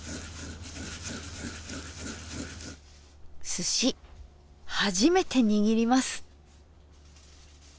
すし初めて握ります。